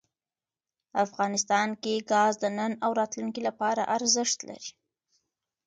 افغانستان کې ګاز د نن او راتلونکي لپاره ارزښت لري.